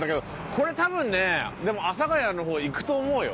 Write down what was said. これ多分ねでも阿佐谷の方行くと思うよ。